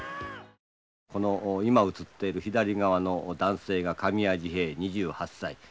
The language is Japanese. この今映っている左側の男性が紙屋治兵衛２８歳。